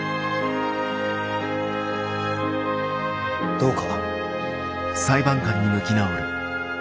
どうか。